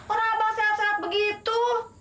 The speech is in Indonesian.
orang abang sehat sehat begitu